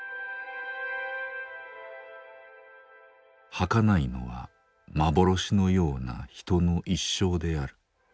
はかないのは幻のような人の一生である。